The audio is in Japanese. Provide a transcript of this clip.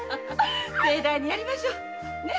盛大にやりましょうねえ。